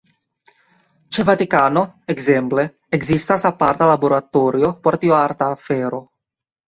Ĉe Vatikano, ekzemple, ekzistas aparta laboratorio por tiu arta afero.